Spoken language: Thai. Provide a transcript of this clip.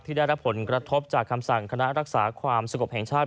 ได้รับผลกระทบจากคำสั่งคณะรักษาความสงบแห่งชาติ